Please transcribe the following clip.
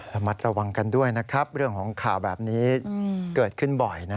ระมัดระวังกันด้วยนะครับเรื่องของข่าวแบบนี้เกิดขึ้นบ่อย